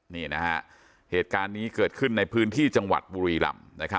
นี่นะฮะเหตุการณ์นี้เกิดขึ้นในพื้นที่จังหวัดบุรีรำ